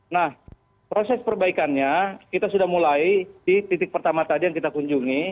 nah proses perbaikannya kita sudah mulai di titik pertama tadi yang kita kunjungi